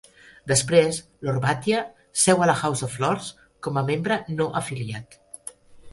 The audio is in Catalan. Després, Lord Batia seu a la House of Lords com a membre no afiliat.